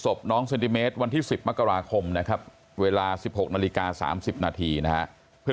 ศพน้องเซนติเมตรวันที่๑๐มกราคมนะครับเวลา๑๖นาฬิกา๓๐นาทีนะฮะเพื่อน